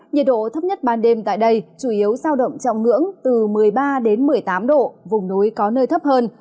nhiệt độ thấp nhất ban đêm tại đây chủ yếu sao động trọng ngưỡng từ một mươi ba một mươi tám độ vùng núi có nơi thấp hơn